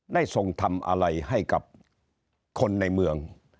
ทรงทำอะไรให้กับคนในเมือง